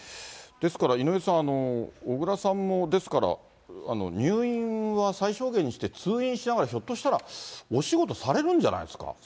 ですから、井上さん、小倉さんも、ですから、入院は最小限にして、通院しながらひょっとしたら、お仕事されるんじゃないですか？